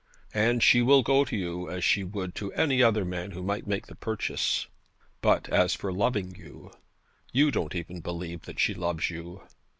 And she will go to you, as she would to any other man who might make the purchase. But as for loving you, you don't even believe that she loves you.